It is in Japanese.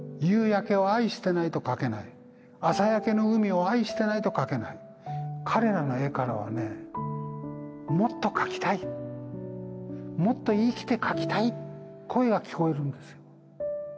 夕焼けを愛してないと描けない朝焼けの海を愛してないと描けない彼らの絵からはねもっと描きたいもっと生きて描きたい声が聞こえるんですよ